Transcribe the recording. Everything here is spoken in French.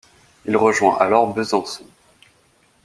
Il rejoint alors Besançon.